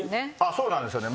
そうなんですよね。